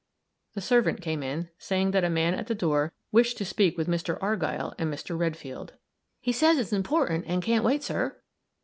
The servant came in, saying that a man at the door wished to speak with Mr. Argyll and Mr. Redfield. "He says it's important, and can't wait, sir."